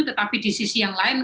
tetapi di sisi yang lain